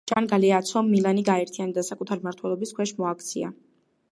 ჯან გალეაცომ მილანი გააერთიანა და საკუთარი მმართველობის ქვეშ მოაქცია.